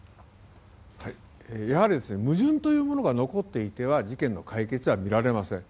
やはり、矛盾というものが残っていては事件の解決はみられません。